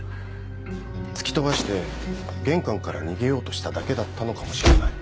突き飛ばして玄関から逃げようとしただけだったのかもしれない。